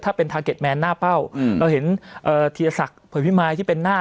ถ้าเป็นหน้าเป้าอืมเราเห็นเอ่อธีรศักดิ์ผลพิมายที่เป็นหน้า